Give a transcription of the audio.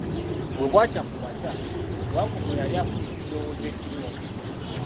Bwe bwakya kumakya, Wankoko yali afunye ekirowoozo ekirungi.